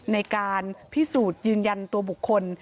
ในการพิสูจน์ยืนยันตัวบุคคล